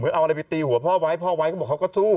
เอาอะไรไปตีหัวพ่อไว้พ่อไว้ก็บอกเขาก็สู้